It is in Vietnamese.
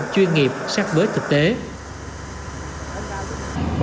chuyên nghiệp sát bớt thực tế